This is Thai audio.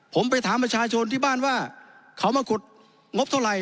ผมไปถามประชาชนที่บ้านว่าเขามาขุดงบเท่าไหร่